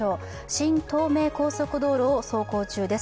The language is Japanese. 新東名高速道路を走行中です。